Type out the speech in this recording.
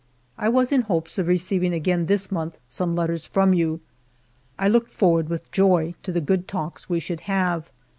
I was in hopes of receiving again this month some letters from you. I looked forward with joy to the good talks we should have.